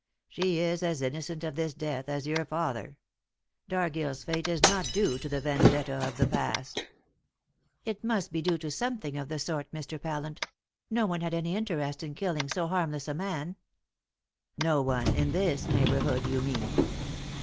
She is as innocent of this death as your father. Dargill's fate is not due to the vendetta of the past." "It must be due to something of the sort, Mr. Pallant. No one had any interest in killing so harmless a man." "No one in this neighbourhood, you mean."